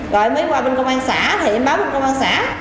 rồi mới qua bên công an xã thì em báo bên công an xã